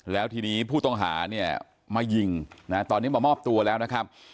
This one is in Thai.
แล้วทีนี้ผู้ต้องหาเนี่ยมายิงนะตอนนี้มามอบตัวแล้วนะครับ